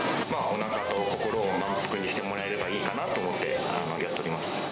おなかと心を満腹にしてもらえればいいかなと思ってやっております。